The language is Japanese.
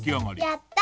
やった！